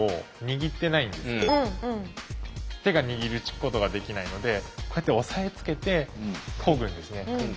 手が握ることができないのでこうやって押さえつけてこぐんですね。